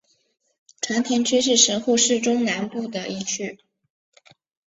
长田区是神户市中南部的一区。